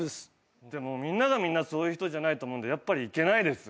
でもみんながみんなそういう人じゃないと思うんでやっぱり行けないです。